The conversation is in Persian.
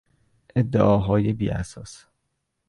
ادعاهای بیاساس